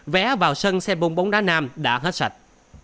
vé vào sân xe bồn bóng đá nam đã hết sạch